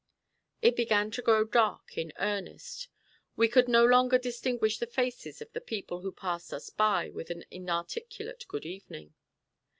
It began to grow dark in earnest. We could no longer distinguish the faces of the people who passed us by with an inarticulate good evening.